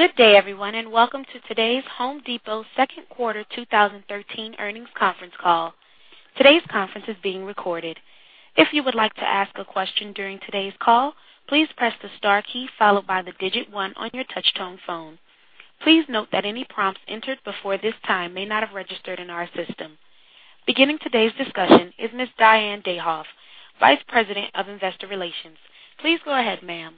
Good day, everyone, and welcome to today's The Home Depot second quarter 2013 earnings conference call. Today's conference is being recorded. If you would like to ask a question during today's call, please press the star key followed by the digit 1 on your touch-tone phone. Please note that any prompts entered before this time may not have registered in our system. Beginning today's discussion is Ms. Diane Dayhoff, Vice President of Investor Relations. Please go ahead, ma'am.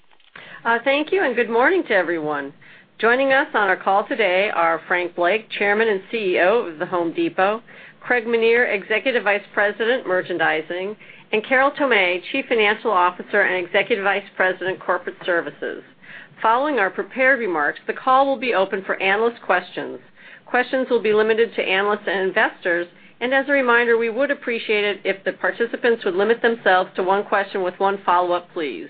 Thank you. Good morning to everyone. Joining us on our call today are Frank Blake, Chairman and Chief Executive Officer of The Home Depot, Craig Menear, Executive Vice President, Merchandising, and Carol Tomé, Chief Financial Officer and Executive Vice President, Corporate Services. Following our prepared remarks, the call will be open for analyst questions. Questions will be limited to analysts and investors. As a reminder, we would appreciate it if the participants would limit themselves to one question with one follow-up, please.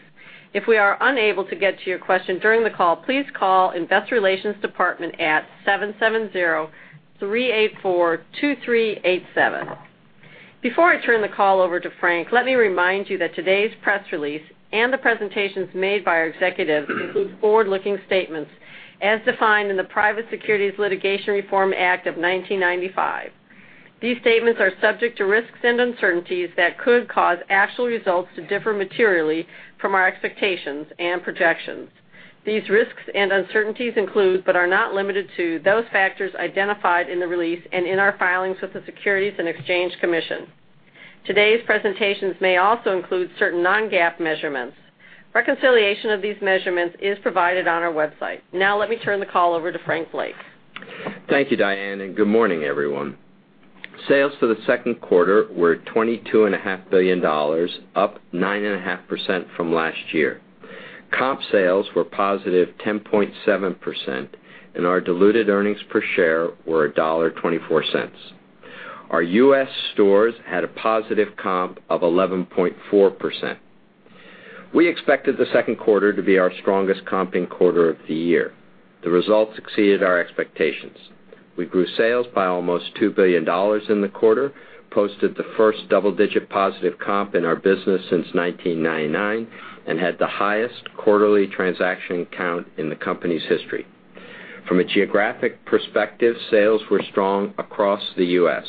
If we are unable to get to your question during the call, please call Investor Relations Department at 770-384-2387. Before I turn the call over to Frank, let me remind you that today's press release and the presentations made by our executives include forward-looking statements as defined in the Private Securities Litigation Reform Act of 1995. These statements are subject to risks and uncertainties that could cause actual results to differ materially from our expectations and projections. These risks and uncertainties include, but are not limited to, those factors identified in the release and in our filings with the Securities and Exchange Commission. Today's presentations may also include certain non-GAAP measurements. Reconciliation of these measurements is provided on our website. Let me turn the call over to Frank Blake. Thank you, Diane. Good morning, everyone. Sales for the second quarter were $22.5 billion, up 9.5% from last year. Comp sales were positive 10.7%, and our diluted earnings per share were $1.24. Our U.S. stores had a positive comp of 11.4%. We expected the second quarter to be our strongest comping quarter of the year. The results exceeded our expectations. We grew sales by almost $2 billion in the quarter, posted the first double-digit positive comp in our business since 1999, and had the highest quarterly transaction count in the company's history. From a geographic perspective, sales were strong across the U.S.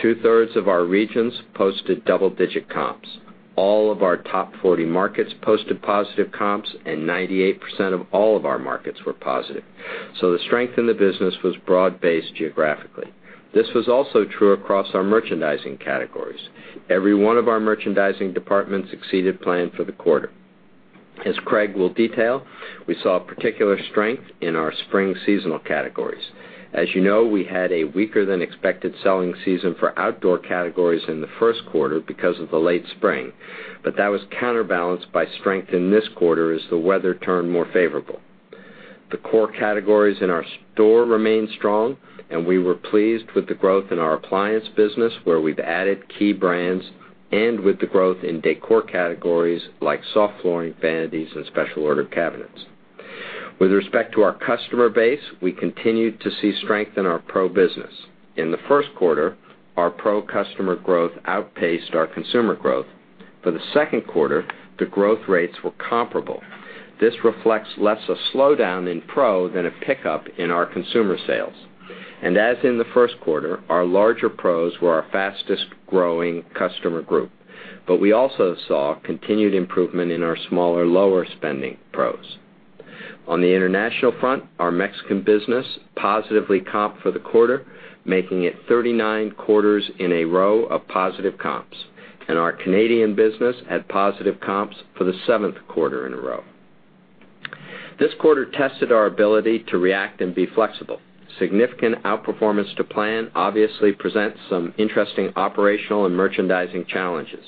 Two-thirds of our regions posted double-digit comps. All of our top 40 markets posted positive comps, and 98% of all of our markets were positive. The strength in the business was broad-based geographically. This was also true across our merchandising categories. Every one of our merchandising departments exceeded plan for the quarter. As Craig Menear will detail, we saw particular strength in our spring seasonal categories. As you know, we had a weaker than expected selling season for outdoor categories in the first quarter because of the late spring. That was counterbalanced by strength in this quarter as the weather turned more favorable. The core categories in our store remained strong, and we were pleased with the growth in our appliance business, where we've added key brands, and with the growth in decor categories like soft flooring, vanities, and special order cabinets. With respect to our customer base, we continued to see strength in our pro business. In the first quarter, our pro customer growth outpaced our consumer growth. For the second quarter, the growth rates were comparable. This reflects less a slowdown in pro than a pickup in our consumer sales. As in the first quarter, our larger pros were our fastest-growing customer group. We also saw continued improvement in our smaller, lower-spending pros. On the international front, our Mexican business positively comped for the quarter, making it 39 quarters in a row of positive comps. Our Canadian business had positive comps for the seventh quarter in a row. This quarter tested our ability to react and be flexible. Significant outperformance to plan obviously presents some interesting operational and merchandising challenges.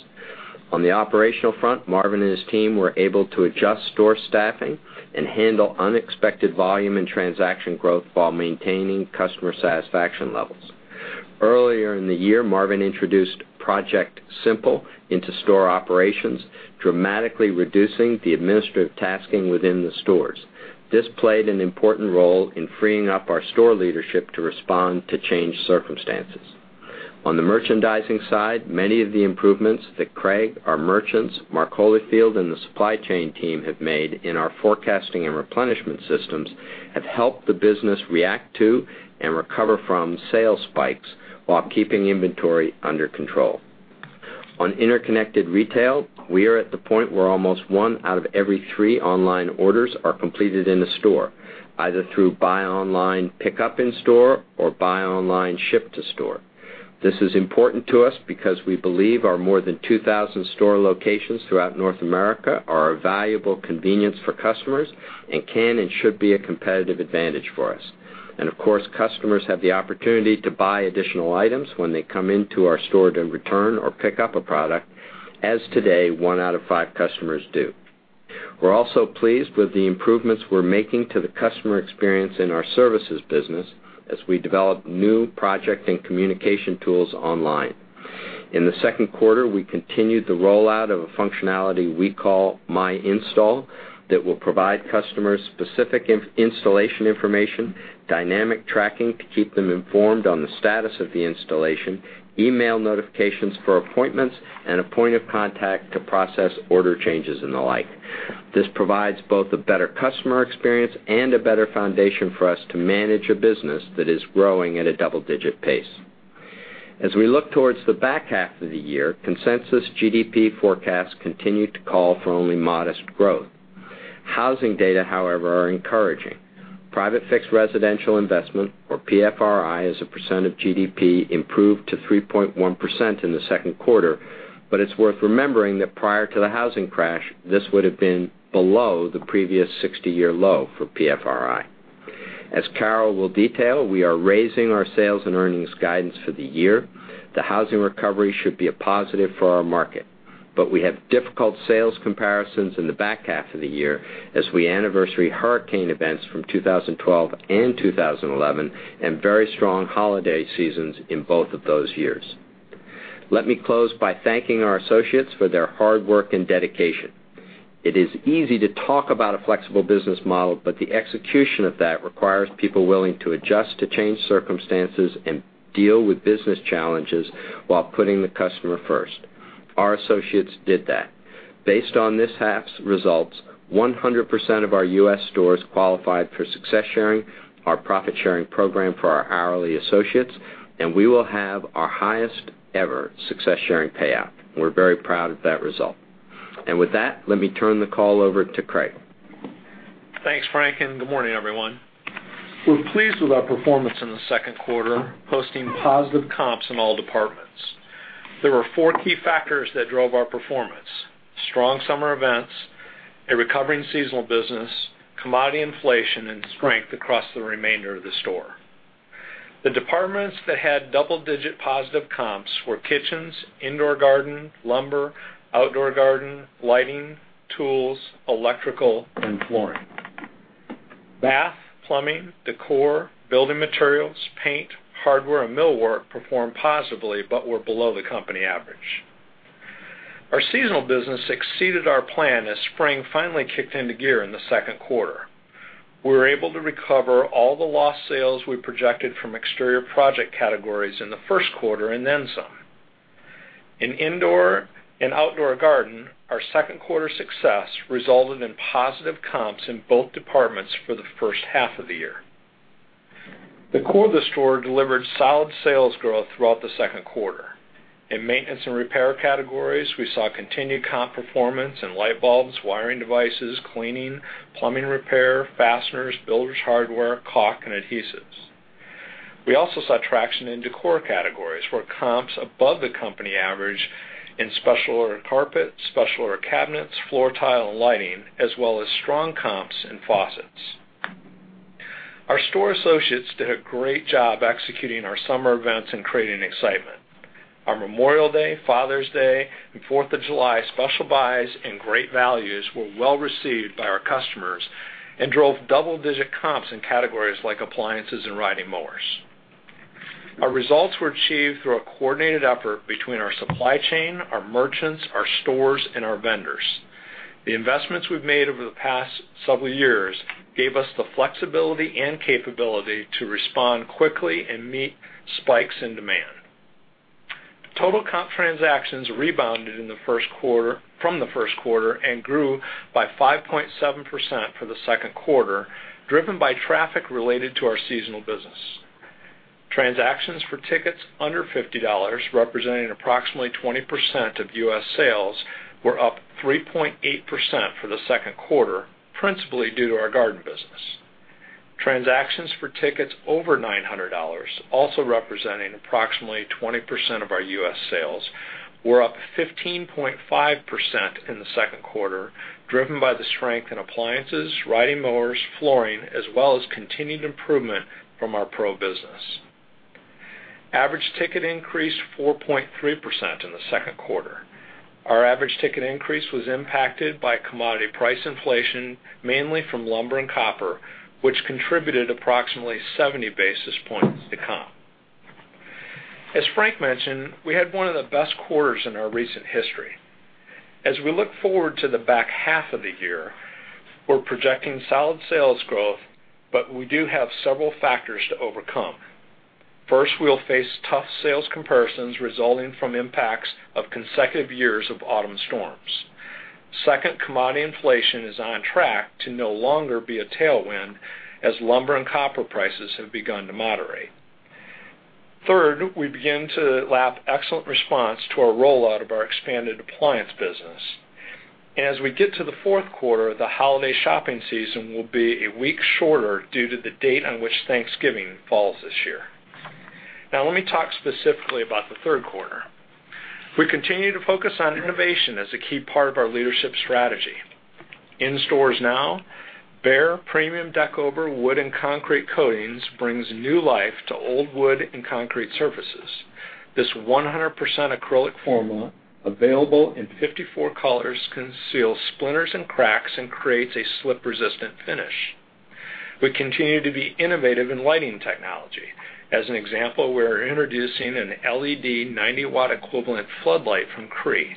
On the operational front, Marvin Ellison and his team were able to adjust store staffing and handle unexpected volume and transaction growth while maintaining customer satisfaction levels. Earlier in the year, Marvin Ellison introduced Project Simple into store operations, dramatically reducing the administrative tasking within the stores. This played an important role in freeing up our store leadership to respond to changed circumstances. On the merchandising side, many of the improvements that Craig Menear, our merchants, Mark Holifield, and the supply chain team have made in our forecasting and replenishment systems have helped the business react to and recover from sales spikes while keeping inventory under control. On interconnected retail, we are at the point where almost one out of every three online orders are completed in the store, either through buy online pickup in store or buy online ship to store. This is important to us because we believe our more than 2,000 store locations throughout North America are a valuable convenience for customers and can and should be a competitive advantage for us. Of course, customers have the opportunity to buy additional items when they come into our store to return or pick up a product, as today, one out of five customers do. We're also pleased with the improvements we're making to the customer experience in our services business as we develop new project and communication tools online. In the second quarter, we continued the rollout of a functionality we call MyInstall that will provide customers specific installation information, dynamic tracking to keep them informed on the status of the installation, email notifications for appointments, and a point of contact to process order changes and the like. This provides both a better customer experience and a better foundation for us to manage a business that is growing at a double-digit pace. As we look towards the back half of the year, consensus GDP forecasts continue to call for only modest growth. Housing data, however, are encouraging. Private fixed residential investment, or PFRI, as a percent of GDP, improved to 3.1% in the second quarter, but it's worth remembering that prior to the housing crash, this would've been below the previous 60-year low for PFRI. As Carol will detail, we are raising our sales and earnings guidance for the year. The housing recovery should be a positive for our market, but we have difficult sales comparisons in the back half of the year as we anniversary hurricane events from 2012 and 2011, and very strong holiday seasons in both of those years. Let me close by thanking our associates for their hard work and dedication. It is easy to talk about a flexible business model, but the execution of that requires people willing to adjust to change circumstances and deal with business challenges while putting the customer first. Our associates did that. Based on this half's results, 100% of our U.S. stores qualified for Success Sharing, our profit-sharing program for our hourly associates, and we will have our highest ever Success Sharing payout. We're very proud of that result. With that, let me turn the call over to Craig. Thanks, Frank, good morning, everyone. We're pleased with our performance in the second quarter, posting positive comps in all departments. There were four key factors that drove our performance: strong summer events, a recovering seasonal business, commodity inflation, and strength across the remainder of the store. The departments that had double-digit positive comps were kitchens, indoor garden, lumber, outdoor garden, lighting, tools, electrical, and flooring. Bath, plumbing, decor, building materials, paint, hardware, and millwork performed positively, but were below the company average. Our seasonal business exceeded our plan as spring finally kicked into gear in the second quarter. We were able to recover all the lost sales we projected from exterior project categories in the first quarter and then some. In indoor and outdoor garden, our second quarter success resulted in positive comps in both departments for the first half of the year. The core of the store delivered solid sales growth throughout the second quarter. In maintenance and repair categories, we saw continued comp performance in light bulbs, wiring devices, cleaning, plumbing repair, fasteners, builders' hardware, caulk, and adhesives. We also saw traction in decor categories, where comps above the company average in special order carpet, special order cabinets, floor tile, and lighting, as well as strong comps in faucets. Our store associates did a great job executing our summer events and creating excitement. Our Memorial Day, Father's Day, and Fourth of July special buys and great values were well-received by our customers and drove double-digit comps in categories like appliances and riding mowers. Our results were achieved through a coordinated effort between our supply chain, our merchants, our stores, and our vendors. The investments we've made over the past several years gave us the flexibility and capability to respond quickly and meet spikes in demand. Total comp transactions rebounded from the first quarter and grew by 5.7% for the second quarter, driven by traffic related to our seasonal business. Transactions for tickets under $50, representing approximately 20% of U.S. sales, were up 3.8% for the second quarter, principally due to our garden business. Transactions for tickets over $900, also representing approximately 20% of our U.S. sales, were up 15.5% in the second quarter, driven by the strength in appliances, riding mowers, flooring, as well as continued improvement from our pro business. Average ticket increased 4.3% in the second quarter. Our average ticket increase was impacted by commodity price inflation, mainly from lumber and copper, which contributed approximately 70 basis points to comp. As Frank mentioned, we had one of the best quarters in our recent history. As we look forward to the back half of the year, we're projecting solid sales growth, but we do have several factors to overcome. First, we'll face tough sales comparisons resulting from impacts of consecutive years of autumn storms. Second, commodity inflation is on track to no longer be a tailwind as lumber and copper prices have begun to moderate. Third, we begin to lap excellent response to our rollout of our expanded appliance business. As we get to the fourth quarter, the holiday shopping season will be a week shorter due to the date on which Thanksgiving falls this year. Let me talk specifically about the third quarter. We continue to focus on innovation as a key part of our leadership strategy. In stores now, Behr Premium Deckover wood and concrete coatings brings new life to old wood and concrete surfaces. This 100% acrylic formula, available in 54 colors, conceals splinters and cracks and creates a slip-resistant finish. We continue to be innovative in lighting technology. As an example, we're introducing an LED 90-watt equivalent floodlight from Cree,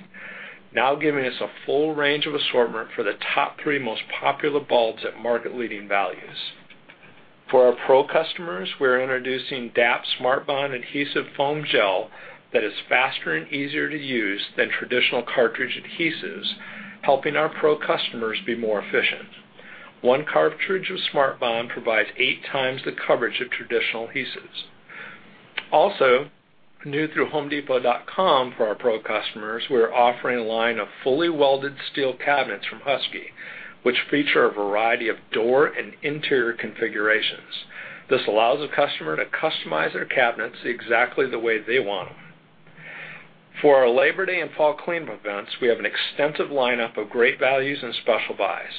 now giving us a full range of assortment for the top three most popular bulbs at market leading values. For our pro customers, we're introducing DAP SmartBOND adhesive foam gel that is faster and easier to use than traditional cartridge adhesives, helping our pro customers be more efficient. One cartridge of SmartBOND provides eight times the coverage of traditional adhesives. Also, new through homedepot.com for our pro customers, we're offering a line of fully welded steel cabinets from Husky, which feature a variety of door and interior configurations. This allows the customer to customize their cabinets exactly the way they want them. For our Labor Day and Fall Clean events, we have an extensive lineup of great values and special buys.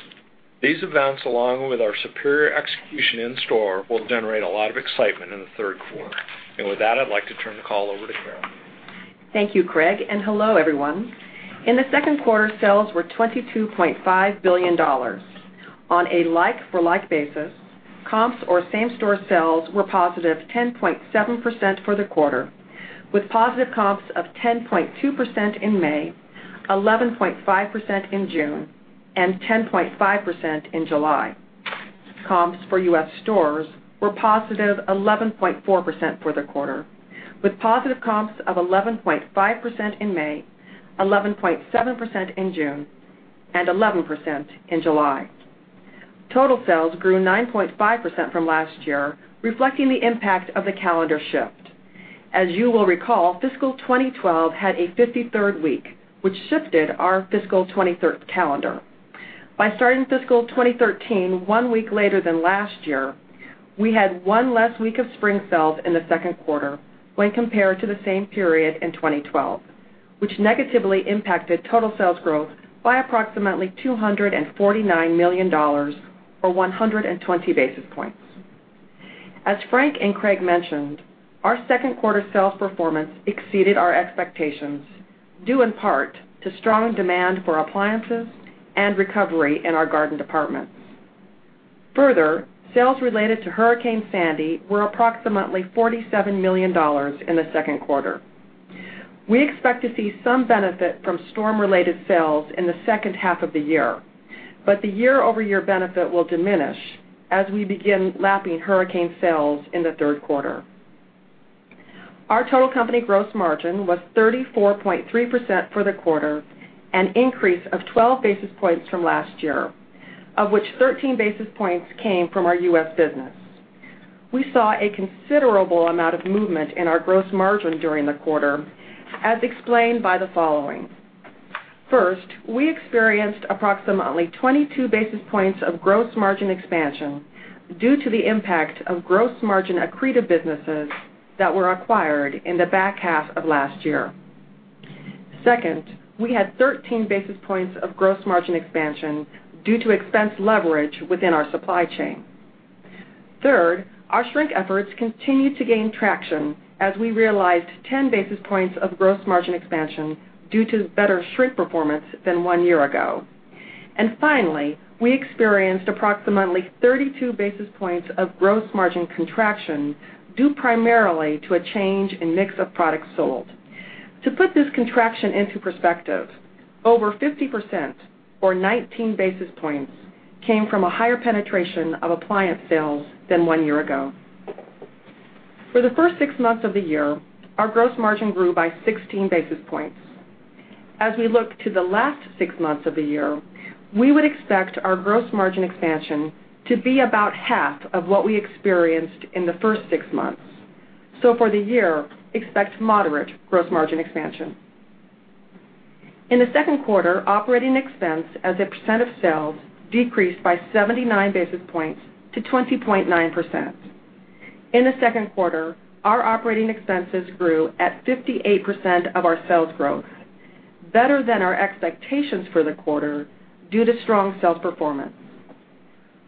These events, along with our superior execution in-store, will generate a lot of excitement in the third quarter. With that, I'd like to turn the call over to Carol. Thank you, Craig, and hello, everyone. In the second quarter, sales were $22.5 billion. On a like-for-like basis, comps or same-store sales were positive 10.7% for the quarter, with positive comps of 10.2% in May, 11.5% in June, and 10.5% in July. Comps for U.S. stores were positive 11.4% for the quarter, with positive comps of 11.5% in May, 11.7% in June, and 11% in July. Total sales grew 9.5% from last year, reflecting the impact of the calendar shift. As you will recall, fiscal 2012 had a 53rd week, which shifted our fiscal 2013 calendar. By starting fiscal 2013 one week later than last year, we had one less week of spring sales in the second quarter when compared to the same period in 2012, which negatively impacted total sales growth by approximately $249 million, or 120 basis points. As Frank and Craig mentioned, our second quarter sales performance exceeded our expectations, due in part to strong demand for appliances and recovery in our garden departments. Further, sales related to Hurricane Sandy were approximately $47 million in the second quarter. We expect to see some benefit from storm-related sales in the second half of the year, but the year-over-year benefit will diminish as we begin lapping hurricane sales in the third quarter. Our total company gross margin was 34.3% for the quarter, an increase of 12 basis points from last year, of which 13 basis points came from our U.S. business. We saw a considerable amount of movement in our gross margin during the quarter, as explained by the following. First, we experienced approximately 22 basis points of gross margin expansion due to the impact of gross margin accretive businesses that were acquired in the back half of last year. Second, we had 13 basis points of gross margin expansion due to expense leverage within our supply chain. Third, our shrink efforts continued to gain traction as we realized 10 basis points of gross margin expansion due to better shrink performance than one year ago. Finally, we experienced approximately 32 basis points of gross margin contraction due primarily to a change in mix of products sold. To put this contraction into perspective, over 50%, or 19 basis points, came from a higher penetration of appliance sales than one year ago. For the first six months of the year, our gross margin grew by 16 basis points. As we look to the last six months of the year, we would expect our gross margin expansion to be about half of what we experienced in the first six months. For the year, expect moderate gross margin expansion. In the second quarter, operating expense as a percent of sales decreased by 79 basis points to 20.9%. In the second quarter, our operating expenses grew at 58% of our sales growth, better than our expectations for the quarter due to strong sales performance.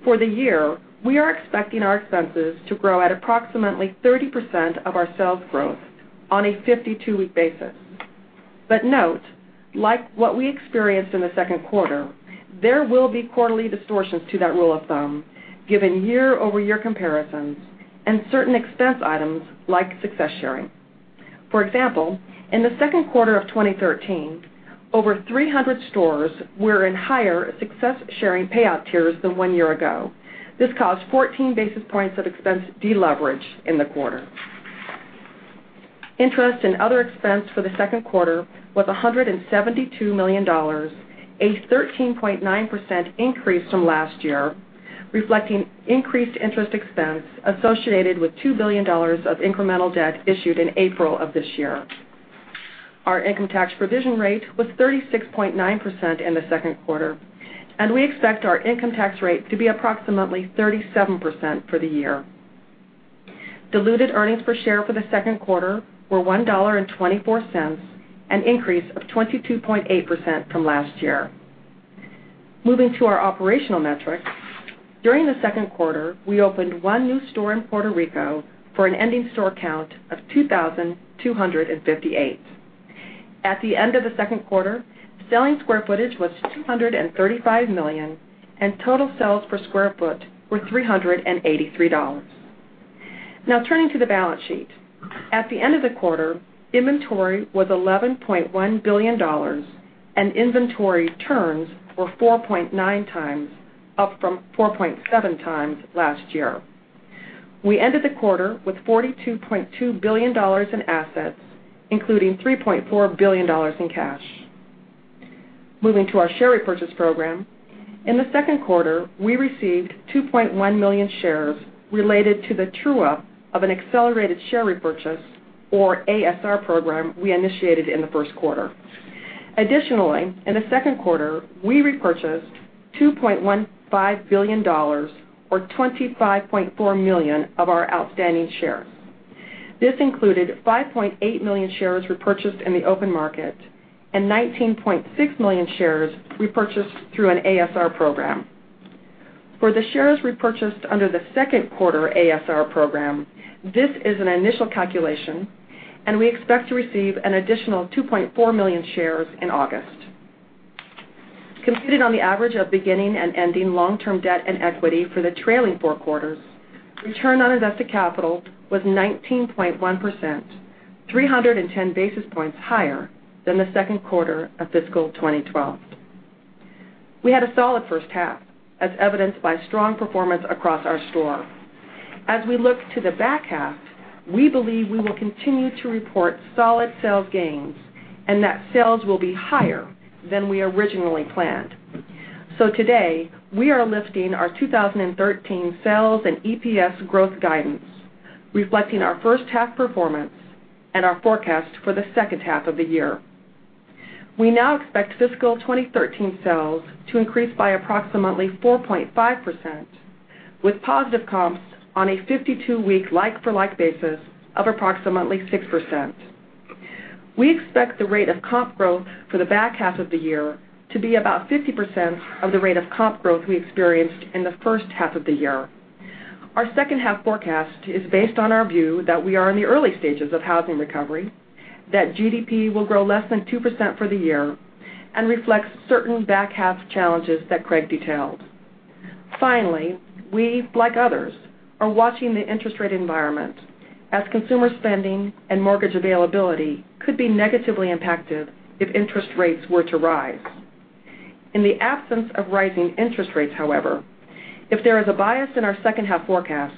For the year, we are expecting our expenses to grow at approximately 30% of our sales growth on a 52-week basis. Note, like what we experienced in the second quarter, there will be quarterly distortions to that rule of thumb, given year-over-year comparisons and certain expense items like success sharing. For example, in the second quarter of 2013, over 300 stores were in higher success sharing payout tiers than one year ago. This caused 14 basis points of expense deleverage in the quarter. Interest and other expense for the second quarter was $172 million, a 13.9% increase from last year, reflecting increased interest expense associated with $2 billion of incremental debt issued in April of this year. Our income tax provision rate was 36.9% in the second quarter, and we expect our income tax rate to be approximately 37% for the year. Diluted EPS for the second quarter were $1.24, an increase of 22.8% from last year. Moving to our operational metrics, during the second quarter, we opened one new store in Puerto Rico for an ending store count of 2,258. At the end of the second quarter, selling square footage was 235 million, and total sales per square foot were $383. Now turning to the balance sheet. At the end of the quarter, inventory was $11.1 billion, and inventory turns were 4.9 times, up from 4.7 times last year. We ended the quarter with $42.2 billion in assets, including $3.4 billion in cash. Moving to our share repurchase program, in the second quarter, we received 2.1 million shares related to the true-up of an accelerated share repurchase or ASR program we initiated in the first quarter. Additionally, in the second quarter, we repurchased $2.15 billion or 25.4 million of our outstanding shares. This included 5.8 million shares repurchased in the open market and 19.6 million shares repurchased through an ASR program. For the shares repurchased under the second quarter ASR program, this is an initial calculation, and we expect to receive an additional 2.4 million shares in August. Completed on the average of beginning and ending long-term debt and equity for the trailing four quarters, return on invested capital was 19.1%, 310 basis points higher than the second quarter of fiscal 2012. We had a solid first half, as evidenced by strong performance across our store. As we look to the back half, we believe we will continue to report solid sales gains and that sales will be higher than we originally planned. Today, we are lifting our 2013 sales and EPS growth guidance, reflecting our first half performance and our forecast for the second half of the year. We now expect fiscal 2013 sales to increase by approximately 4.5%, with positive comps on a 52-week like-for-like basis of approximately 6%. We expect the rate of comp growth for the back half of the year to be about 50% of the rate of comp growth we experienced in the first half of the year. Our second half forecast is based on our view that we are in the early stages of housing recovery, that GDP will grow less than 2% for the year, and reflects certain back half challenges that Craig detailed. Finally, we, like others, are watching the interest rate environment, as consumer spending and mortgage availability could be negatively impacted if interest rates were to rise. In the absence of rising interest rates, however, if there is a bias in our second half forecast,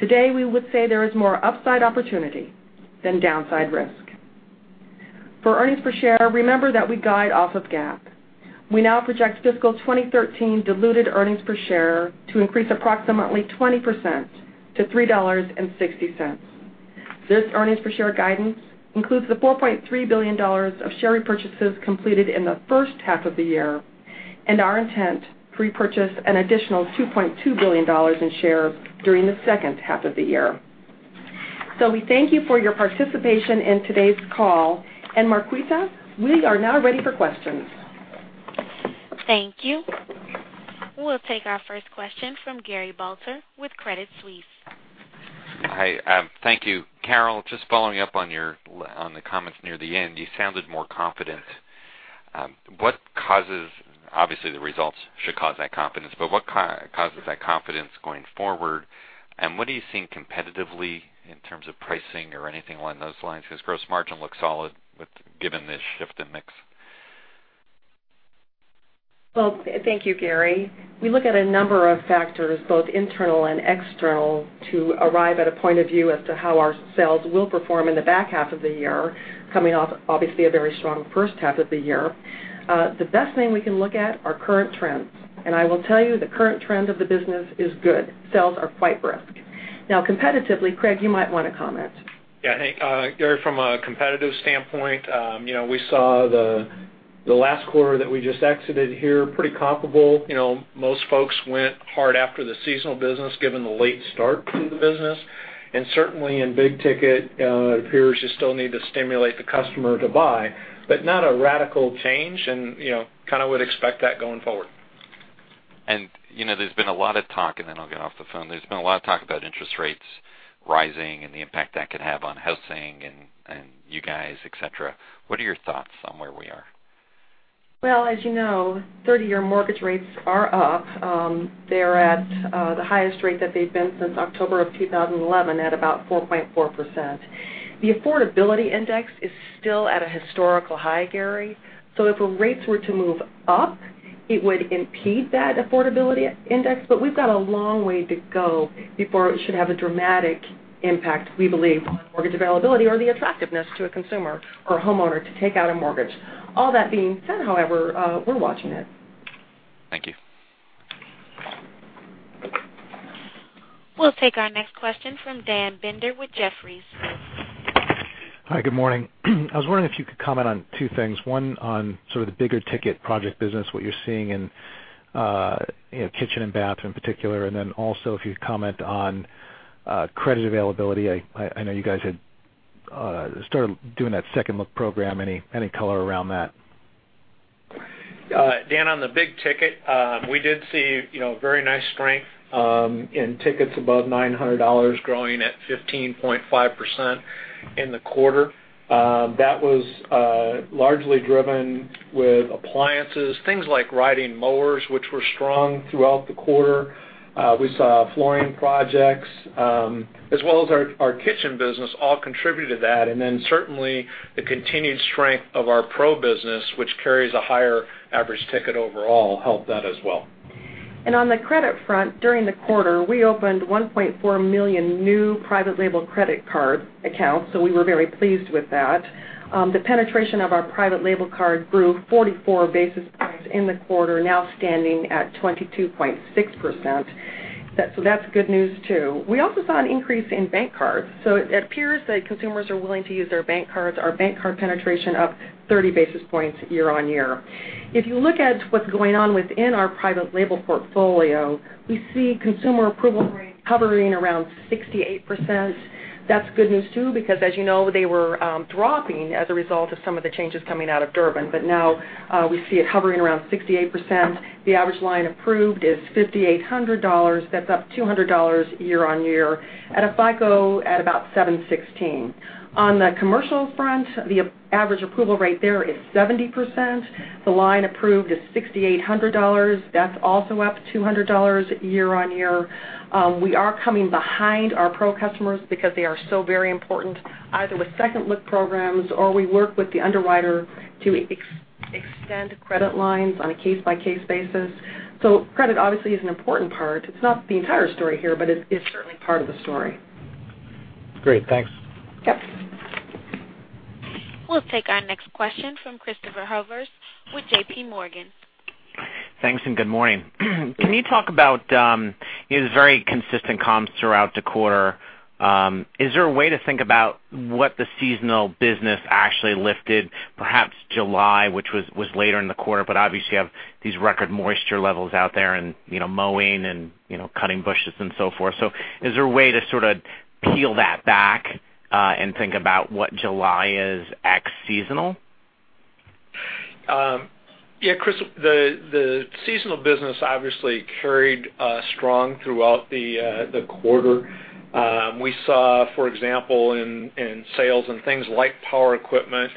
today, we would say there is more upside opportunity than downside risk. For earnings per share, remember that we guide off of GAAP. We now project fiscal 2013 diluted earnings per share to increase approximately 20% to $3.60. This earnings per share guidance includes the $4.3 billion of share repurchases completed in the first half of the year and our intent to repurchase an additional $2.2 billion in shares during the second half of the year. We thank you for your participation in today's call, and Marquita, we are now ready for questions. Thank you. We will take our first question from Gary Balter with Credit Suisse. Hi. Thank you. Carol, just following up on the comments near the end, you sounded more confident. Obviously, the results should cause that confidence, what causes that confidence going forward? What are you seeing competitively in terms of pricing or anything along those lines? Gross margin looks solid given the shift in mix. Well, thank you, Gary. We look at a number of factors, both internal and external, to arrive at a point of view as to how our sales will perform in the back half of the year, coming off obviously a very strong first half of the year. The best thing we can look at are current trends, I will tell you the current trend of the business is good. Sales are quite brisk. Competitively, Craig, you might want to comment. Yeah, I think, Gary, from a competitive standpoint, we saw the last quarter that we just exited here pretty comparable. Most folks went hard after the seasonal business, given the late start to the business, and certainly in big ticket, it appears you still need to stimulate the customer to buy. Not a radical change and kind of would expect that going forward. There's been a lot of talk, then I'll get off the phone. There's been a lot of talk about interest rates rising and the impact that could have on housing and you guys, et cetera. What are your thoughts on where we are? Well, as you know, 30-year mortgage rates are up. They're at the highest rate that they've been since October of 2011, at about 4.4%. The affordability index is still at a historical high, Gary. If the rates were to move up, it would impede that affordability index, we've got a long way to go before it should have a dramatic impact, we believe, on mortgage availability or the attractiveness to a consumer or a homeowner to take out a mortgage. All that being said, however, we're watching it. Thank you. We'll take our next question from Dan Binder with Jefferies. Hi, good morning. I was wondering if you could comment on two things. One, on sort of the bigger ticket project business, what you're seeing in kitchen and bath in particular, and then also if you'd comment on credit availability. I know you guys had started doing that Second Look program. Any color around that? Dan, on the big ticket, we did see very nice strength in tickets above $900 growing at 15.5% in the quarter. That was largely driven with appliances, things like riding mowers, which were strong throughout the quarter. We saw flooring projects, as well as our kitchen business all contribute to that, and then certainly the continued strength of our pro business, which carries a higher average ticket overall, helped that as well. On the credit front, during the quarter, we opened $1.4 million new private label credit card accounts. We were very pleased with that. The penetration of our private label card grew 44 basis points in the quarter, now standing at 22.6%. That's good news, too. We also saw an increase in bank cards. It appears that consumers are willing to use their bank cards. Our bank card penetration up 30 basis points year-on-year. If you look at what's going on within our private label portfolio, we see consumer approval rates hovering around 68%. That's good news, too, because as you know, they were dropping as a result of some of the changes coming out of Durbin. Now we see it hovering around 68%. The average line approved is $5,800. That's up $200 year-on-year at a FICO at about 716. On the commercial front, the average approval rate there is 70%. The line approved is $6,800. That's also up $200 year-over-year. We are coming behind our pro customers because they are so very important, either with Second Look programs or we work with the underwriter to extend credit lines on a case-by-case basis. Credit obviously is an important part. It's not the entire story here, but it's certainly part of the story. Great. Thanks. Yep. We'll take our next question from Christopher Horvers with JPMorgan. Thanks. Good morning. Can you talk about. It was very consistent comps throughout the quarter. Is there a way to think about what the seasonal business actually lifted, perhaps July, which was later in the quarter, but obviously have these record moisture levels out there and mowing and cutting bushes and so forth. Is there a way to sort of peel that back and think about what July is ex-seasonal? Yeah, Chris, the seasonal business obviously carried strong throughout the quarter. We saw, for example, in sales and things like power equipment,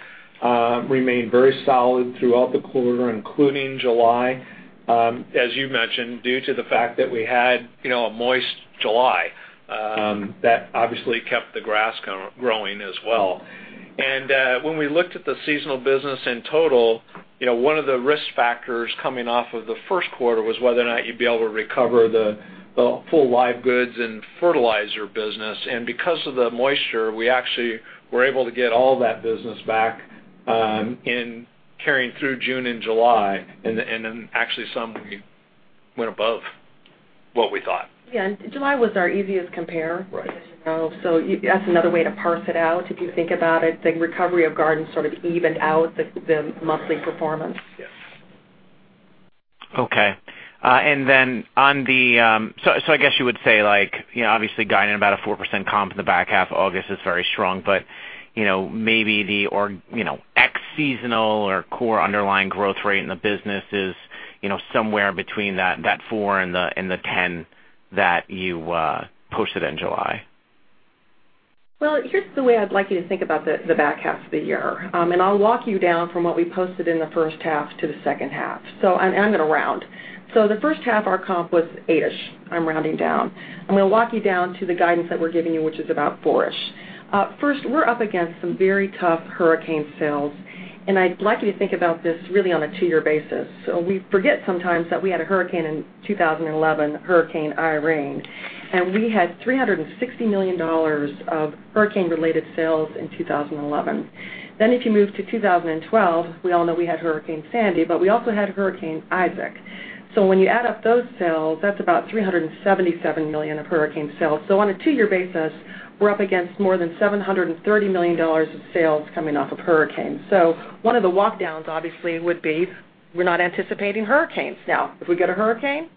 remained very solid throughout the quarter, including July. As you mentioned, due to the fact that we had a moist July. That obviously kept the grass growing as well. When we looked at the seasonal business in total, one of the risk factors coming off of the first quarter was whether or not you'd be able to recover the full live goods and fertilizer business. Because of the moisture, we actually were able to get all that business back in carrying through June and July. Then actually some we went above what we thought. Yeah, July was our easiest compare. Right. That's another way to parse it out. If you think about it, the recovery of garden sort of evened out the monthly performance. Yes. Okay. I guess you would say obviously guiding about a 4% comp in the back half of August is very strong, but maybe the ex-seasonal or core underlying growth rate in the business is somewhere between that 4 and the 10 that you posted in July. Well, here's the way I'd like you to think about the back half of the year. I'll walk you down from what we posted in the first half to the second half. I'm going to round. The first half, our comp was 8-ish. I'm rounding down. I'm going to walk you down to the guidance that we're giving you, which is about 4-ish. First, we're up against some very tough hurricane sales. I'd like you to think about this really on a two-year basis. We forget sometimes that we had a hurricane in 2011, Hurricane Irene, and we had $360 million of hurricane-related sales in 2011. If you move to 2012, we all know we had Hurricane Sandy, but we also had Hurricane Isaac. When you add up those sales, that's about $377 million of hurricane sales. On a two-year basis, we're up against more than $730 million of sales coming off of hurricanes. One of the walk downs obviously would be we're not anticipating hurricanes now. If we get a hurricane,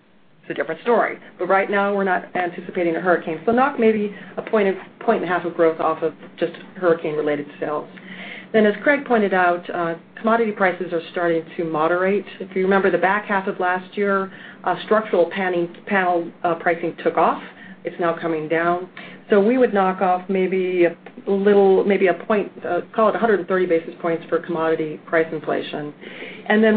it's a different story. Right now, we're not anticipating a hurricane. Knock maybe a point and a half of growth off of just hurricane-related sales. As Craig pointed out, commodity prices are starting to moderate. If you remember the back half of last year, structural panel pricing took off. It's now coming down. We would knock off maybe call it 130 basis points for commodity price inflation.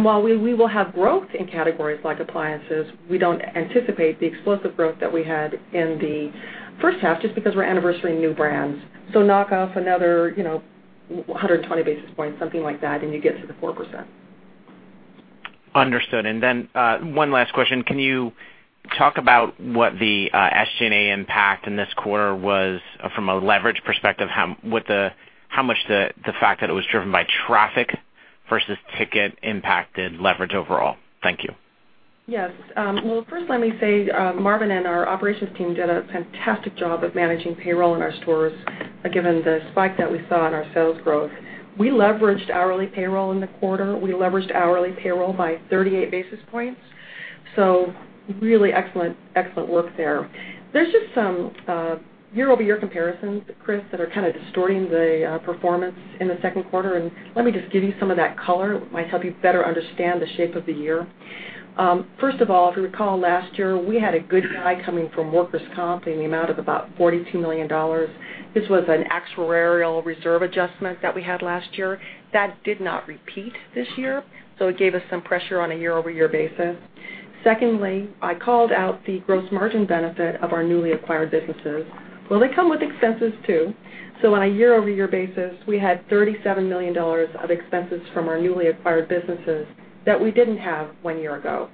While we will have growth in categories like appliances, we don't anticipate the explosive growth that we had in the first half just because we're anniversarying new brands. Knock off another 120 basis points, something like that, and you get to the 4%. Understood. One last question. Can you talk about what the SG&A impact in this quarter was from a leverage perspective? How much the fact that it was driven by traffic versus ticket impacted leverage overall? Thank you. First let me say, Marvin and our operations team did a fantastic job of managing payroll in our stores, given the spike that we saw in our sales growth. We leveraged hourly payroll in the quarter. We leveraged hourly payroll by 38 basis points. Really excellent work there. There are just some year-over-year comparisons, Chris, that are kind of distorting the performance in the second quarter, and let me just give you some of that color. It might help you better understand the shape of the year. First of all, if you recall last year, we had a good guy coming from workers' comp in the amount of about $42 million. This was an actuarial reserve adjustment that we had last year. That did not repeat this year. It gave us some pressure on a year-over-year basis. Secondly, I called out the gross margin benefit of our newly acquired businesses. They come with expenses, too. On a year-over-year basis, we had $37 million of expenses from our newly acquired businesses that we didn't have one year ago.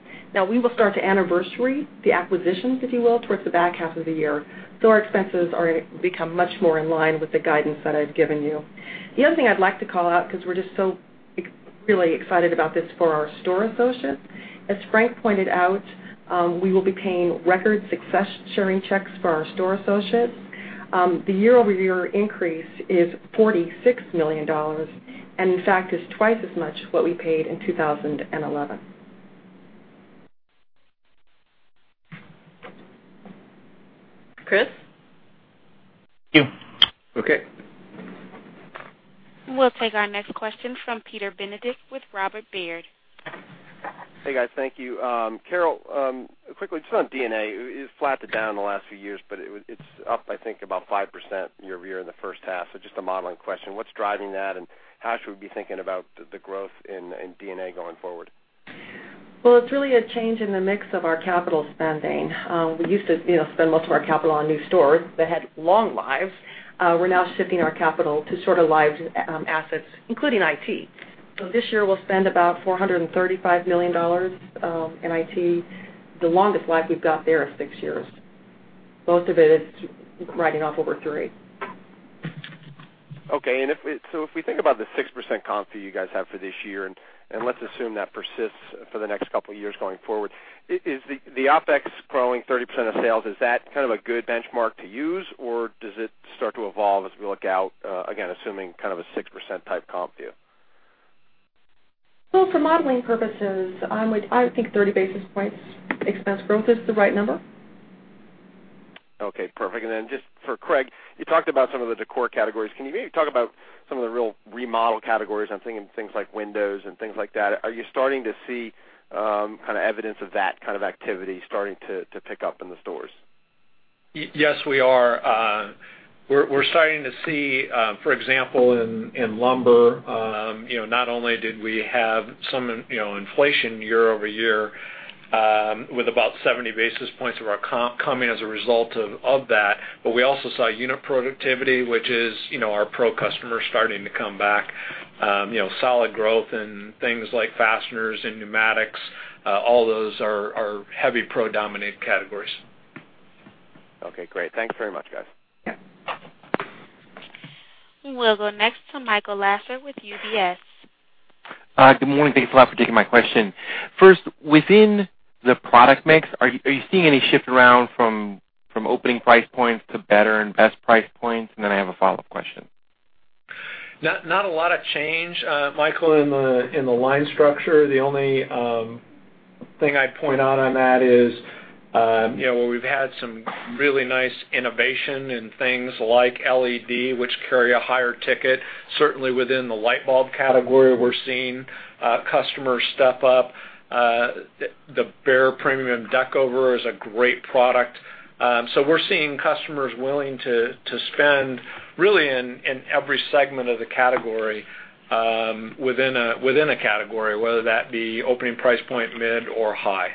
We will start to anniversary the acquisitions, if you will, towards the back half of the year. Our expenses are going to become much more in line with the guidance that I've given you. The other thing I'd like to call out, because we're just so really excited about this for our store associates. As Frank pointed out, we will be paying record success sharing checks for our store associates. The year-over-year increase is $46 million, and in fact, is twice as much what we paid in 2011. Chris? Thank you. Okay. We'll take our next question from Peter Benedict with Robert Baird. Hey, guys. Thank you. Carol, quickly, just on D&A, it flatted down in the last few years, but it's up, I think about 5% year-over-year in the first half. Just a modeling question. What's driving that, and how should we be thinking about the growth in D&A going forward? Well, it's really a change in the mix of our capital spending. We used to spend most of our capital on new stores that had long lives. We're now shifting our capital to shorter-lived assets, including IT. This year, we'll spend about $435 million in IT. The longest life we've got there is six years. Most of it is writing off over three. Okay. If we think about the 6% comp fee you guys have for this year, and let's assume that persists for the next couple of years going forward, is the OpEx growing 30% of sales? Is that kind of a good benchmark to use, or does it start to evolve as we look out, again, assuming kind of a 6% type comp view? Well, for modeling purposes, I think 30% of our sales growth is the right number. Okay, perfect. Then just for Craig, you talked about some of the decor categories. Can you maybe talk about some of the real remodel categories? I'm thinking things like windows and things like that. Are you starting to see evidence of that kind of activity starting to pick up in the stores? Yes, we are. We're starting to see, for example, in lumber, not only did we have some inflation year-over-year, with about 70 basis points of our comp coming as a result of that, we also saw unit productivity, which is our pro customer starting to come back. Solid growth in things like fasteners and pneumatics. All those are heavy pro-dominated categories. Okay, great. Thanks very much, guys. Yeah. We'll go next to Michael Lasser with UBS. Good morning. Thank you for taking my question. First, within the product mix, are you seeing any shift around from opening price points to better and best price points? I have a follow-up question. Not a lot of change, Michael, in the line structure. The only thing I'd point out on that is, we've had some really nice innovation in things like LED, which carry a higher ticket. Certainly within the light bulb category, we're seeing customers step up. The BEHR PREMIUM ADVANCED DECKOVER is a great product. We're seeing customers willing to spend really in every segment of the category, within a category, whether that be opening price point, mid, or high.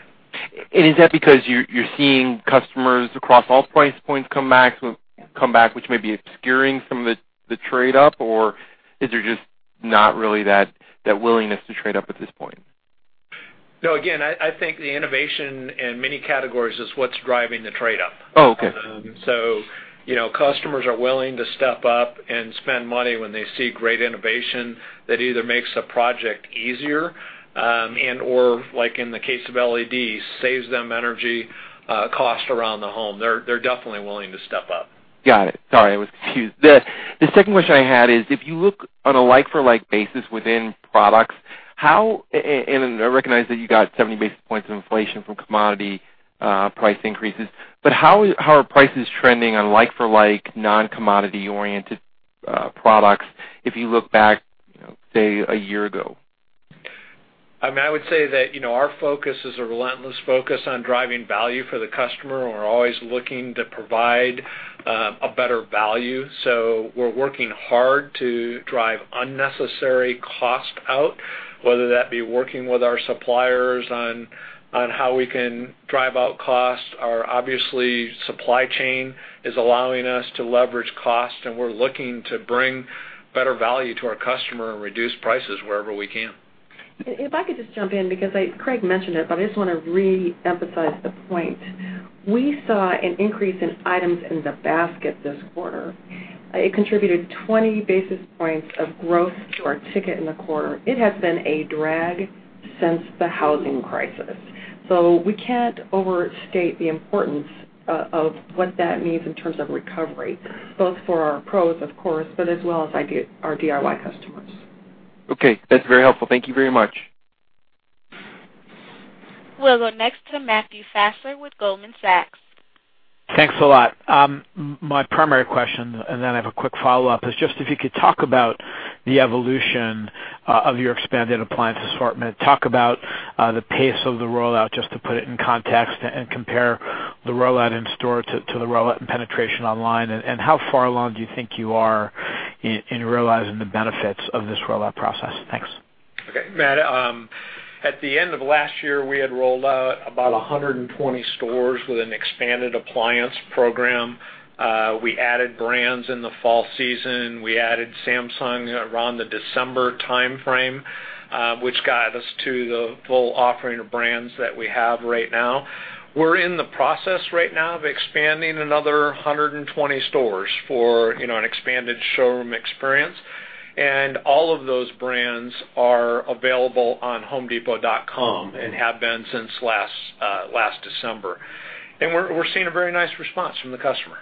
Is that because you're seeing customers across all price points come back, which may be obscuring some of the trade-up, or is there just not really that willingness to trade up at this point? No, again, I think the innovation in many categories is what's driving the trade-up. Oh, okay. Customers are willing to step up and spend money when they see great innovation that either makes a project easier, and/or like in the case of LEDs, saves them energy cost around the home. They're definitely willing to step up. Got it. Sorry, I was confused. The second question I had is, if you look on a like-for-like basis within products, and I recognize that you got 70 basis points of inflation from commodity price increases, but how are prices trending on like-for-like non-commodity-oriented products if you look back, say, a year ago? I would say that our focus is a relentless focus on driving value for the customer, and we're always looking to provide a better value. We're working hard to drive unnecessary cost out, whether that be working with our suppliers on how we can drive out cost, or obviously, supply chain is allowing us to leverage cost, and we're looking to bring better value to our customer and reduce prices wherever we can. If I could just jump in because Craig mentioned it, but I just want to re-emphasize the point. We saw an increase in items in the basket this quarter. It contributed 20 basis points of growth to our ticket in the quarter. It has been a drag since the housing crisis. We can't overstate the importance of what that means in terms of recovery, both for our pros, of course, but as well as our DIY customers. Okay. That's very helpful. Thank you very much. We'll go next to Matthew Fassler with Goldman Sachs. Thanks a lot. My primary question, and then I have a quick follow-up, is just if you could talk about the evolution of your expanded appliance assortment, talk about the pace of the rollout, just to put it in context and compare the rollout in store to the rollout and penetration online, and how far along do you think you are in realizing the benefits of this rollout process? Thanks. Okay, Matt. At the end of last year, we had rolled out about 120 stores with an expanded appliance program. We added brands in the fall season. We added Samsung around the December timeframe, which got us to the full offering of brands that we have right now. We're in the process right now of expanding another 120 stores for an expanded showroom experience. All of those brands are available on homedepot.com and have been since last December. We're seeing a very nice response from the customer.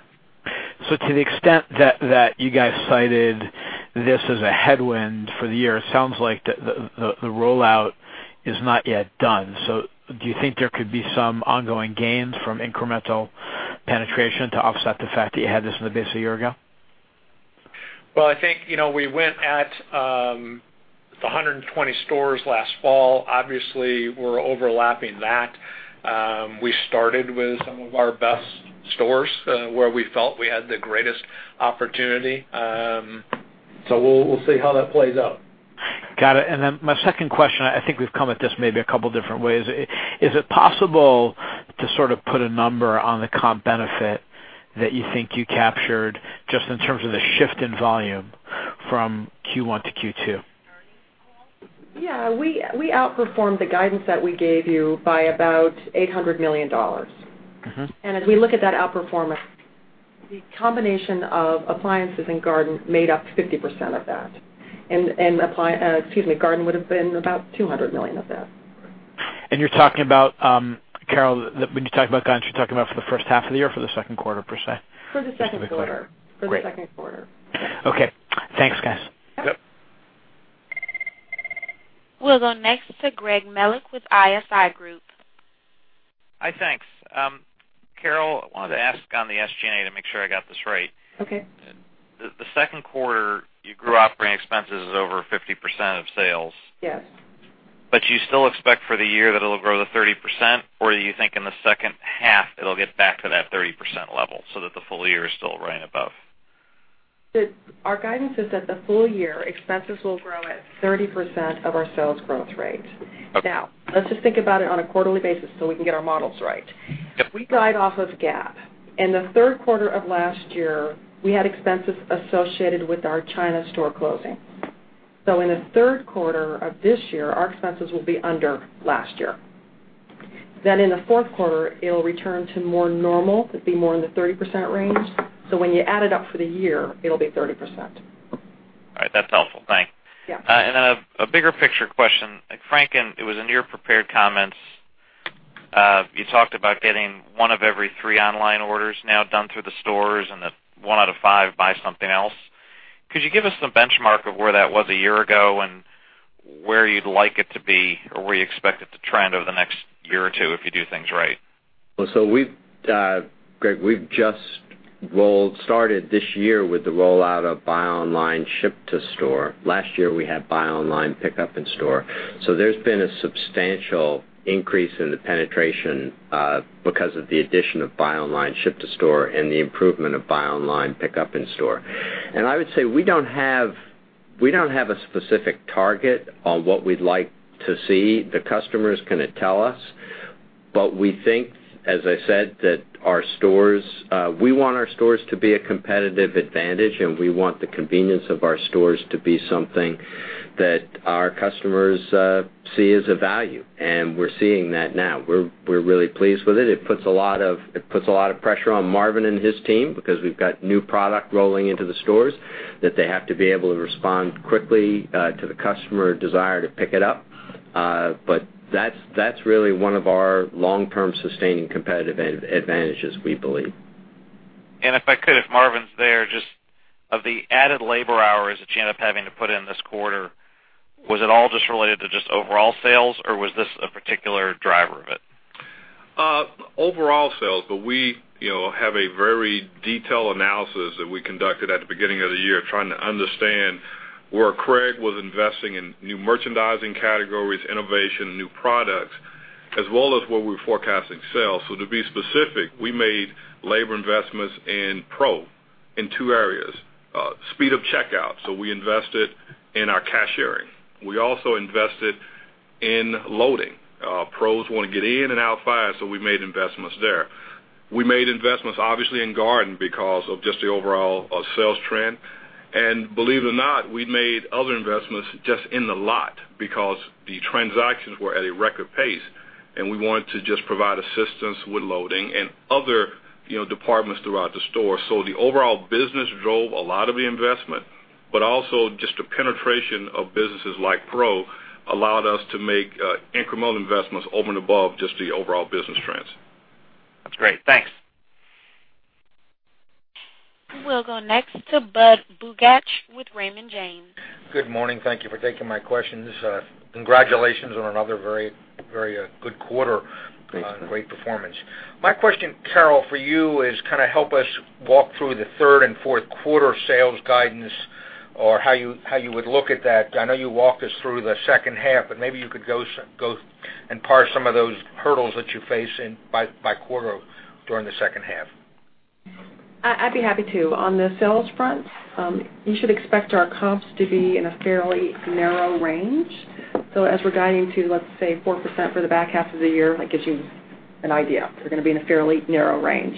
To the extent that you guys cited this as a headwind for the year, it sounds like the rollout is not yet done. Do you think there could be some ongoing gains from incremental penetration to offset the fact that you had this in the base a year ago? Well, I think, we went at the 120 stores last fall. Obviously, we're overlapping that. We started with some of our best stores where we felt we had the greatest opportunity. We'll see how that plays out. Got it. My second question, I think we've come at this maybe a couple different ways. Is it possible to sort of put a number on the comp benefit that you think you captured just in terms of the shift in volume from Q1 to Q2? Yeah. We outperformed the guidance that we gave you by about $800 million. As we look at that outperformance, the combination of appliances and garden made up 50% of that. Garden would've been about $200 million of that. You're talking about, Carol, when you talk about guidance, you're talking about for the first half of the year, or for the second quarter, per se? For the second quarter. Great. For the second quarter. Okay. Thanks, guys. Yep. We'll go next to Greg Melich with ISI Group. Hi, thanks. Carol, I wanted to ask on the SG&A to make sure I got this right. Okay. The second quarter, you grew operating expenses over 50% of sales. Yes. You still expect for the year that it'll grow to 30%, or you think in the second half it'll get back to that 30% level so that the full year is still right above? Our guidance is that the full year expenses will grow at 30% of our sales growth rate. Okay. Let's just think about it on a quarterly basis so we can get our models right. Yep. We guide off of GAAP. In the third quarter of last year, we had expenses associated with our China store closing. In the third quarter of this year, our expenses will be under last year. In the fourth quarter, it'll return to more normal, to be more in the 30% range. When you add it up for the year, it'll be 30%. All right, that's helpful. Thanks. Yeah. A bigger picture question. Frank, it was in your prepared comments, you talked about getting one of every three online orders now done through the stores, and that one out of five buy something else. Could you give us some benchmark of where that was a year ago and where you'd like it to be, or where you expect it to trend over the next year or two if you do things right? Greg, we've just started this year with the rollout of buy online, ship to store. Last year, we had buy online, pick up in store. There's been a substantial increase in the penetration because of the addition of buy online, ship to store, and the improvement of buy online, pick up in store. I would say, we don't have a specific target on what we'd like to see. The customers going to tell us. We think, as I said, that we want our stores to be a competitive advantage, we want the convenience of our stores to be something that our customers see as a value. We're seeing that now. We're really pleased with it. It puts a lot of pressure on Marvin and his team because we've got new product rolling into the stores that they have to be able to respond quickly to the customer desire to pick it up. That's really one of our long-term sustaining competitive advantages, we believe. If I could, if Marvin's there, just of the added labor hours that you end up having to put in this quarter, was it all just related to just overall sales, or was this a particular driver of it? Overall sales, but we have a very detailed analysis that we conducted at the beginning of the year trying to understand where Craig was investing in new merchandising categories, innovation, new products, as well as where we're forecasting sales. To be specific, we made labor investments in Pro in two areas. Speed of checkout, so we invested in our cashiering. We also invested in loading. Pros want to get in and out fast, so we made investments there. We made investments, obviously, in garden because of just the overall sales trend. Believe it or not, we made other investments just in the lot because the transactions were at a record pace, and we wanted to just provide assistance with loading and other departments throughout the store. The overall business drove a lot of the investment, but also just the penetration of businesses like Pro allowed us to make incremental investments over and above just the overall business trends. That's great. Thanks. We'll go next to Budd Bugatch with Raymond James. Good morning. Thank you for taking my questions. Congratulations on another very good quarter. Thank you. on great performance. My question, Carol, for you is, help us walk through the third and fourth quarter sales guidance, or how you would look at that. I know you walked us through the second half, but maybe you could go and parse some of those hurdles that you face by quarter during the second half. I'd be happy to. On the sales front, you should expect our comps to be in a fairly narrow range. As we're guiding to, let's say, 4% for the back half of the year, that gives you an idea. They're going to be in a fairly narrow range.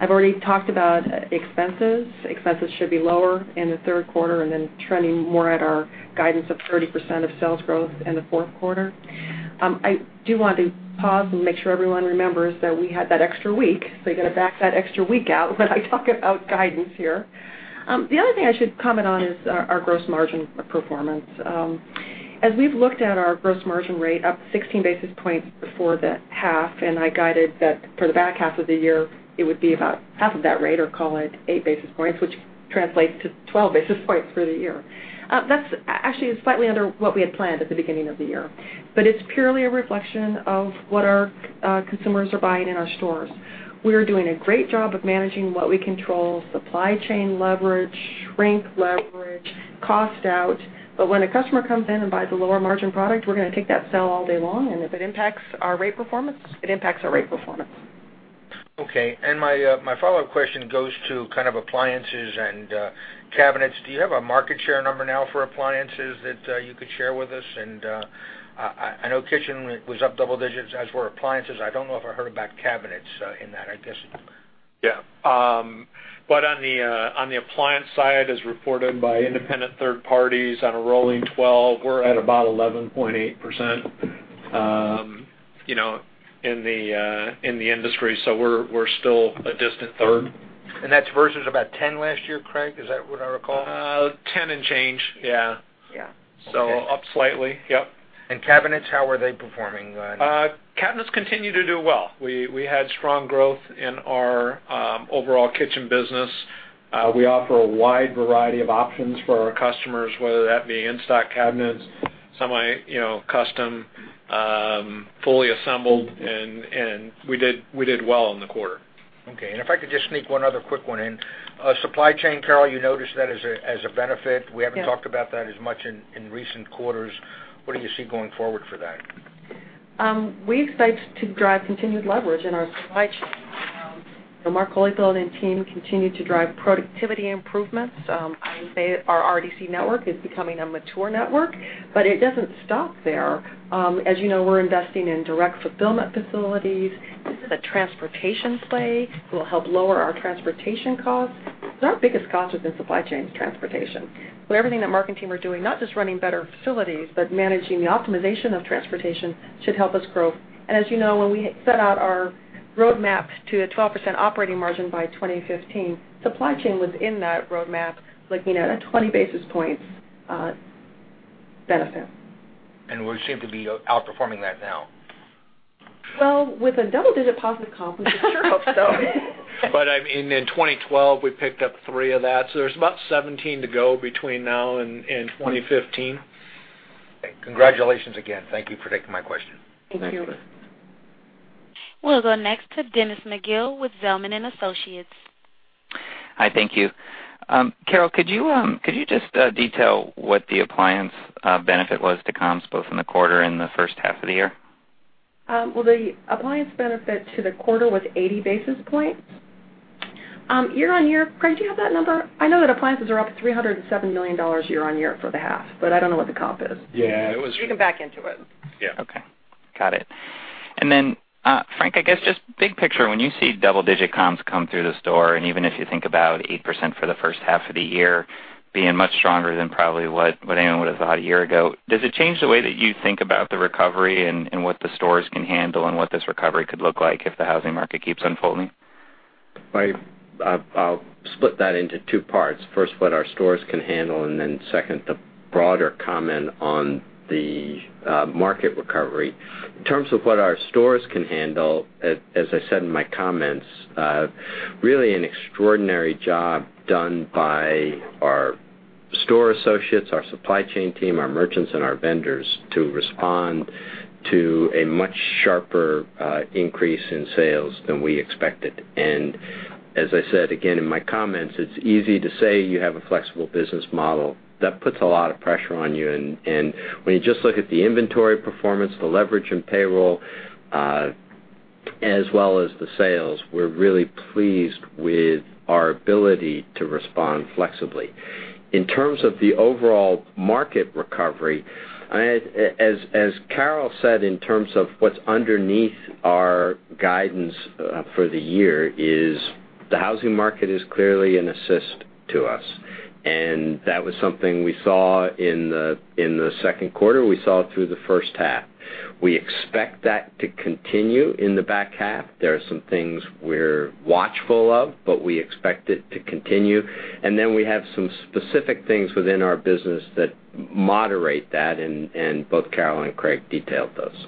I've already talked about expenses. Expenses should be lower in the third quarter and then trending more at our guidance of 30% of sales growth in the fourth quarter. I do want to pause and make sure everyone remembers that we had that extra week, so you got to back that extra week out when I talk about guidance here. The other thing I should comment on is our gross margin performance. As we've looked at our gross margin rate up 16 basis points before the half, I guided that for the back half of the year, it would be about half of that rate or call it eight basis points, which translates to 12 basis points for the year. That's actually slightly under what we had planned at the beginning of the year, it's purely a reflection of what our consumers are buying in our stores. We are doing a great job of managing what we control, supply chain leverage, shrink leverage, cost out. When a customer comes in and buys a lower margin product, we're going to take that sale all day long. If it impacts our rate performance, it impacts our rate performance. Okay. My follow-up question goes to kind of appliances and cabinets. Do you have a market share number now for appliances that you could share with us? I know kitchen was up double digits as were appliances. I don't know if I heard about cabinets in that, I guess. On the appliance side, as reported by independent third parties on a rolling 12, we're at about 11.8% in the industry. We're still a distant third. That's versus about 10 last year, Craig? Is that what I recall? 10 and change, yeah. Yeah. Up slightly. Yep. Cabinets, how are they performing then? Cabinets continue to do well. We had strong growth in our overall kitchen business. We offer a wide variety of options for our customers, whether that be in-stock cabinets, semi-custom, fully assembled, and we did well in the quarter. Okay. If I could just sneak one other quick one in. Supply chain, Carol, you noted that as a benefit. Yeah. We haven't talked about that as much in recent quarters. What do you see going forward for that? We expect to drive continued leverage in our supply chain. Mark Holifield and team continue to drive productivity improvements. Our RDC network is becoming a mature network, but it doesn't stop there. As you know, we're investing in direct fulfillment facilities. The transportation play will help lower our transportation costs because our biggest cost within supply chain is transportation. Everything that Mark and team are doing, not just running better facilities, but managing the optimization of transportation should help us grow. As you know, when we set out our roadmap to a 12% operating margin by 2015, supply chain was in that roadmap looking at a 20 basis points benefit. We seem to be outperforming that now. Well, with a double-digit positive comp, we sure hope so. In 2012, we picked up three of that, so there's about 17 to go between now and 2015. Okay. Congratulations again. Thank you for taking my question. Thank you. Thank you. We'll go next to Dennis McGill with Zelman & Associates. Hi, thank you. Carol, could you just detail what the appliance benefit was to comps both in the quarter and the first half of the year? Well, the appliance benefit to the quarter was 80 basis points. Year-on-year, Craig, do you have that number? I know that appliances are up $307 million year-on-year for the half, I don't know what the comp is. Yeah. We can back into it. Yeah. Okay. Got it. Frank, I guess, just big picture, when you see double-digit comps come through the store, even if you think about 8% for the first half of the year being much stronger than probably what anyone would've thought a year ago, does it change the way that you think about the recovery and what the stores can handle and what this recovery could look like if the housing market keeps unfolding? I'll split that into two parts. First, what our stores can handle, then second, the broader comment on the market recovery. In terms of what our stores can handle, as I said in my comments, really an extraordinary job done by our store associates, our supply chain team, our merchants, and our vendors to respond to a much sharper increase in sales than we expected. As I said again in my comments, it's easy to say you have a flexible business model. That puts a lot of pressure on you, when you just look at the inventory performance, the leverage in payroll, as well as the sales, we're really pleased with our ability to respond flexibly. In terms of the overall market recovery, as Carol said, in terms of what's underneath our guidance for the year is the housing market is clearly an assist to us, and that was something we saw in the second quarter. We saw it through the first half. We expect that to continue in the back half. There are some things we're watchful of, we expect it to continue, then we have some specific things within our business that moderate that, and both Carol and Craig detailed those.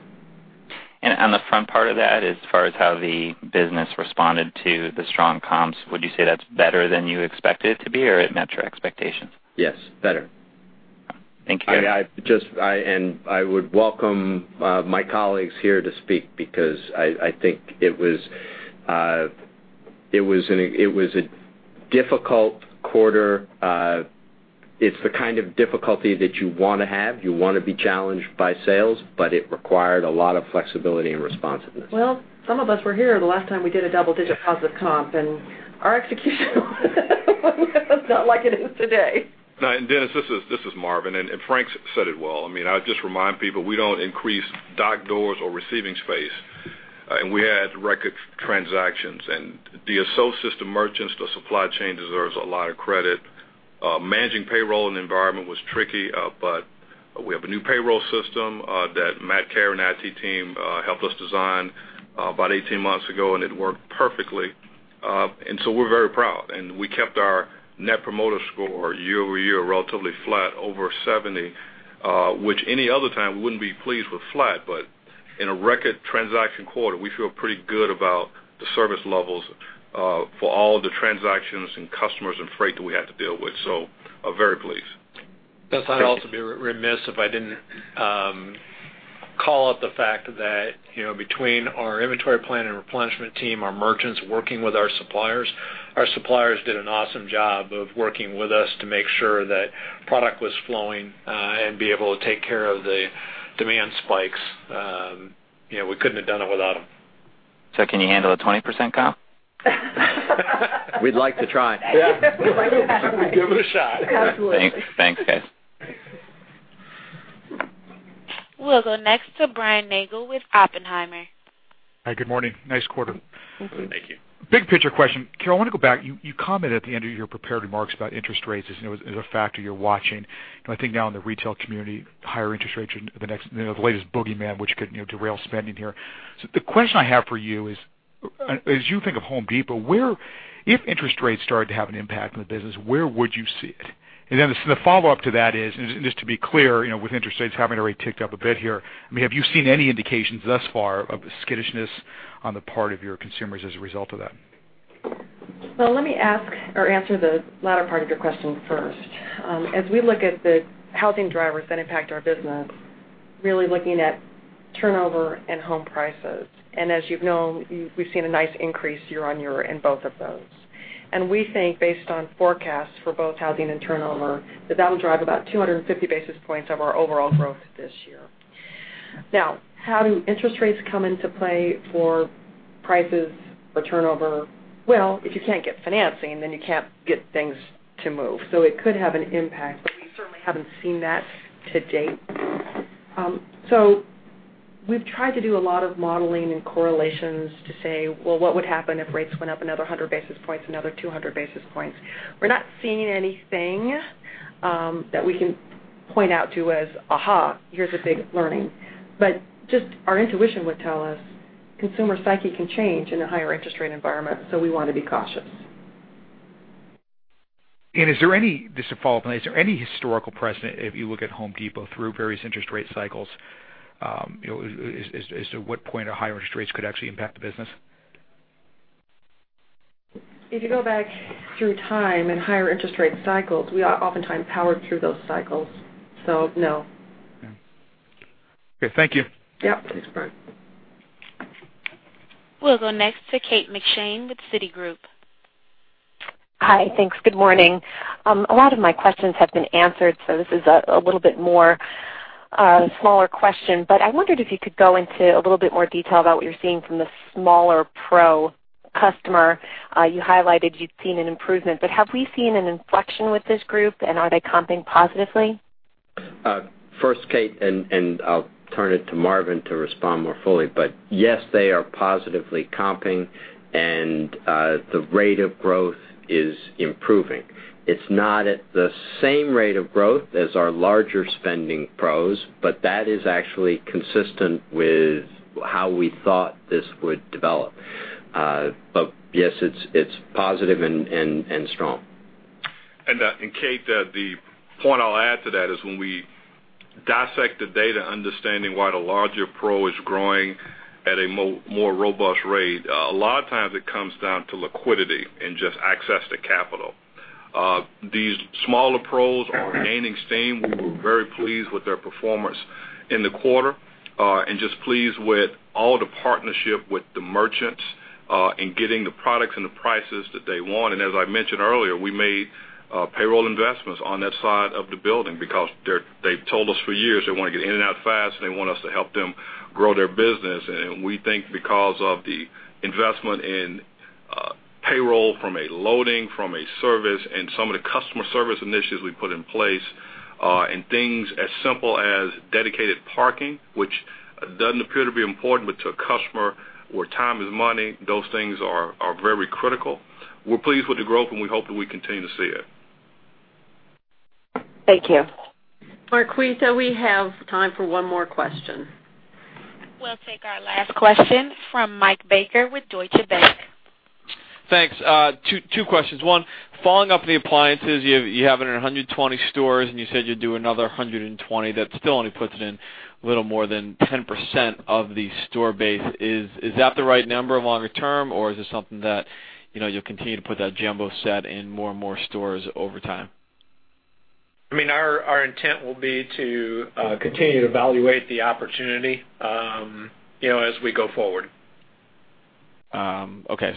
On the front part of that, as far as how the business responded to the strong comps, would you say that's better than you expected it to be, or it met your expectations? Yes, better. Thank you. I would welcome my colleagues here to speak because I think it was a difficult quarter. It's the kind of difficulty that you want to have. You want to be challenged by sales, but it required a lot of flexibility and responsiveness. Well, some of us were here the last time we did a double-digit positive comp. Our execution was not like it is today. No, Dennis, this is Marvin, Frank said it well. I mean, I would just remind people, we don't increase dock doors or receiving space. We had record transactions. The associate system merchants, the supply chain deserves a lot of credit. Managing payroll in the environment was tricky, but we have a new payroll system that Matt Carey and IT team helped us design about 18 months ago, and it worked perfectly. We're very proud. We kept our net promoter score year-over-year relatively flat, over 70, which any other time we wouldn't be pleased with flat, but in a record transaction quarter, we feel pretty good about the service levels for all of the transactions and customers and freight that we had to deal with. Very pleased. Dennis, I'd also be remiss if I didn't call out the fact that, between our inventory plan and replenishment team, our merchants working with our suppliers, our suppliers did an awesome job of working with us to make sure that product was flowing, and be able to take care of the demand spikes. We couldn't have done it without them. Can you handle a 20%, Kyle? We'd like to try. Yeah. We'd like to try. We'd give it a shot. Absolutely. Thanks, guys. We'll go next to Brian Nagel with Oppenheimer. Hi, good morning. Nice quarter. Thank you. Big picture question. Carol, I want to go back. You commented at the end of your prepared remarks about interest rates as a factor you're watching. I think now in the retail community, higher interest rates are the latest boogeyman, which could derail spending here. The question I have for you is, as you think of The Home Depot, if interest rates started to have an impact on the business, where would you see it? Then the follow-up to that is, just to be clear, with interest rates having already ticked up a bit here, have you seen any indications thus far of a skittishness on the part of your consumers as a result of that? Well, let me answer the latter part of your question first. As we look at the housing drivers that impact our business, really looking at turnover and home prices. As you know, we've seen a nice increase year-on-year in both of those. We think based on forecasts for both housing and turnover, that that'll drive about 250 basis points of our overall growth this year. Now, how do interest rates come into play for prices or turnover? Well, if you can't get financing, then you can't get things to move. It could have an impact, but we certainly haven't seen that to date. We've tried to do a lot of modeling and correlations to say, "Well, what would happen if rates went up another 100 basis points, another 200 basis points?" We're not seeing anything that we can point out to as here's a big learning. Just our intuition would tell us consumer psyche can change in a higher interest rate environment, we want to be cautious. Just a follow-up, is there any historical precedent if you look at The Home Depot through various interest rate cycles, as to what point higher interest rates could actually impact the business? If you go back through time and higher interest rate cycles, we oftentimes powered through those cycles. No. Okay. Thank you. Yeah. Thanks, Brian. We'll go next to Kate McShane with Citigroup. Hi. Thanks. Good morning. A lot of my questions have been answered, so this is a little bit more smaller question, but I wondered if you could go into a little bit more detail about what you're seeing from the smaller pro customer. You highlighted you've seen an improvement, but have we seen an inflection with this group, and are they comping positively? First, Kate, and I'll turn it to Marvin to respond more fully, but yes, they are positively comping and the rate of growth is improving. It's not at the same rate of growth as our larger spending pros, but that is actually consistent with how we thought this would develop. Yes, it's positive and strong. Kate, the point I'll add to that is when we dissect the data, understanding why the larger pro is growing at a more robust rate, a lot of times it comes down to liquidity and just access to capital. These smaller pros are gaining steam. We were very pleased with their performance in the quarter, and just pleased with all the partnership with the merchants, in getting the products and the prices that they want. As I mentioned earlier, we made payroll investments on that side of the building because they've told us for years they want to get in and out fast, and they want us to help them grow their business. We think because of the investment in payroll from a loading, from a service, and some of the customer service initiatives we put in place, and things as simple as dedicated parking, which doesn't appear to be important, but to a customer where time is money, those things are very critical. We're pleased with the growth, we hope that we continue to see it. Thank you. Marquita, we have time for one more question. We'll take our last question from Michael Baker with Deutsche Bank. Thanks. Two questions. One, following up on the appliances, you have it in 120 stores, and you said you'd do another 120. That still only puts it in a little more than 10% of the store base. Is that the right number longer term, or is this something that you'll continue to put that jumbo set in more and more stores over time? Our intent will be to continue to evaluate the opportunity as we go forward. Okay.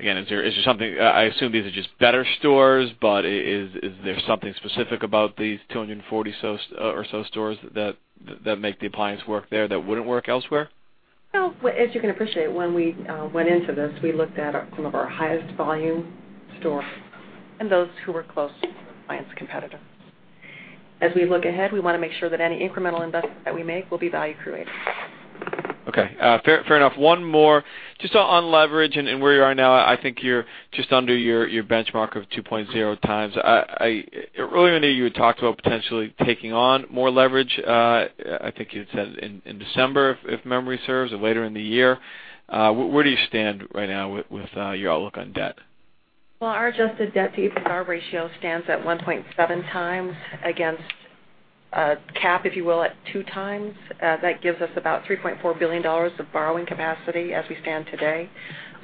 Again, I assume these are just better stores, but is there something specific about these 240 or so stores that make the appliance work there that wouldn't work elsewhere? Well, as you can appreciate, when we went into this, we looked at some of our highest volume stores and those who were close to an appliance competitor. As we look ahead, we want to make sure that any incremental investment that we make will be value creating. Okay. Fair enough. One more. Just on leverage and where you are now, I think you're just under your benchmark of 2.0 times. Earlier in the year, you had talked about potentially taking on more leverage, I think you had said in December, if memory serves, or later in the year. Where do you stand right now with your outlook on debt? Well, our adjusted debt-to-EBITDA ratio stands at 1.7 times against cap, if you will, at two times. That gives us about $3.4 billion of borrowing capacity as we stand today.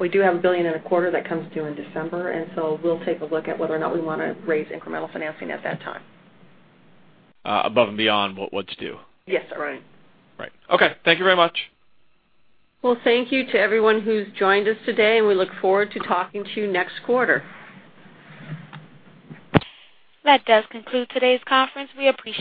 We do have a billion and a quarter USD that comes due in December, so we'll take a look at whether or not we want to raise incremental financing at that time. Above and beyond what's due? Yes, right. Right. Okay. Thank you very much. Thank you to everyone who's joined us today, and we look forward to talking to you next quarter. That does conclude today's conference.